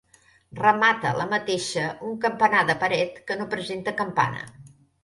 Remata la mateixa un campanar de paret que no presenta campana.